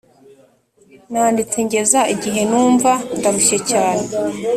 nanditse ngeza igihe numva ndarushye cyane